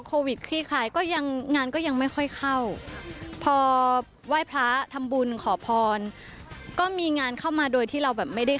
ก็จากแบบไม่มีงานเลย